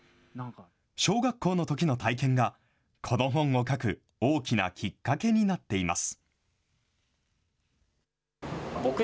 小学校のときの体験がこの本を書く大きなきっかけになっています。